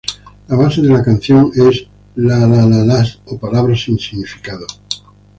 La base de la canción es la-la-las o palabras sin significado.